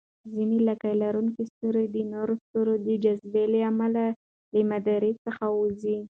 ځینې لکۍ لرونکي ستوري د نورو ستورو جاذبې له امله له مدار څخه ووځي.